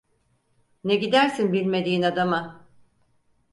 Ne gidersin bilmediğin adama?